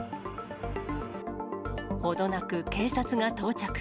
ほどなく警察が到着。